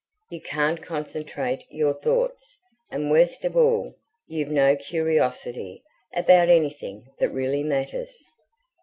You can't concentrate your thoughts, and, worst of all, you've no curiosity about anything that really matters.